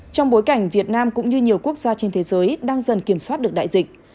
trong bối cảnh việt nam cũng như nhiều quốc gia trên thế giới đang dần kiểm soát được đại dịch